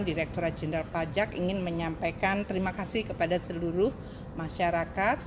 direkturat jenderal pajak ingin menyampaikan terima kasih kepada seluruh masyarakat